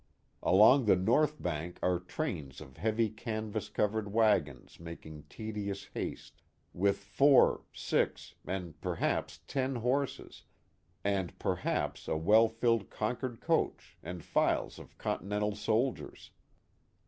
Along the north bank are trains of heavy canvass covered wagons making tedious haste, with four, six, and perhaps ten horses, and, perhaps, a well filled Concord coach and files of Continental soldiers.